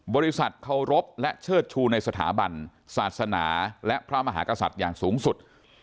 บริษัทเคารพและเชิดชูในสถาบันศาสนาและพระมหากษัตริย์อย่างสูงสุด